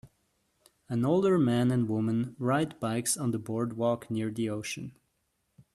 An older man and woman ride bikes on the boardwalk near the ocean